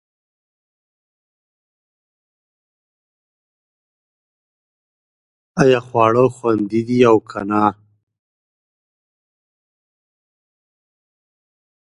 ایا خواړه خوندي دي او که نه